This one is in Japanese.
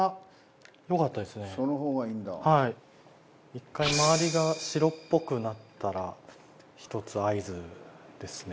１回周りが白っぽくなったら１つ合図ですね。